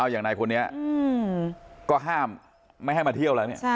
อย่างนายคนนี้ก็ห้ามไม่ให้มาเที่ยวแล้วเนี่ย